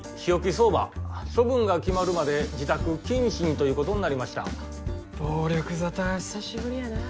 壮磨処分が決まるまで自宅謹慎ということになりました暴力沙汰は久しぶりやなあ